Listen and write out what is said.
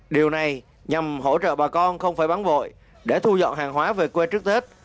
điều này nhằm hỗ trợ bà con không phải bán vội để thu dọn hàng hóa về quê trước tết